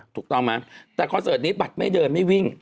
ถูกต้องไหมแต่คอนเสิร์ตนี้บัตรไม่เดินไม่วิ่ง